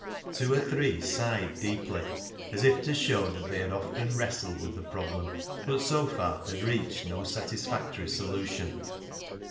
Two or three siglied deei^ly, as if to show 38o BECKSIDE LIGHTS that they had often wrestled with the problem, but so far had reached no satisfactory solution.